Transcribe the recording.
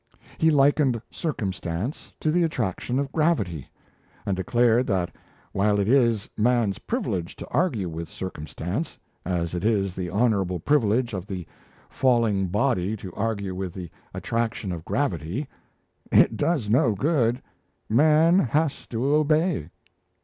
He likened circumstance to the attraction of gravity; and declared that while it is man's privilege to argue with circumstance, as it is the honourable privilege of the falling body to argue with the attraction of gravity, it does no good: man has to obey.